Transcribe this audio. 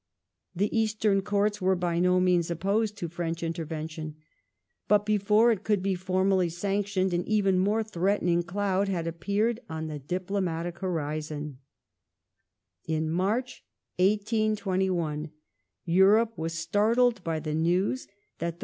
The Eastern Courts were by no means opposed to French intervention, but before it could be formally sanctioned an even more tbreatening cloud had appeared on the diplomatic horizoa The East ^ In March, 1821, Europe was startled by the news that the cm ques .